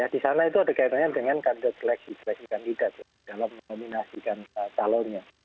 di sana itu ada kaitannya dengan kandida seleksi seleksi kandidat dalam nominasikan talonnya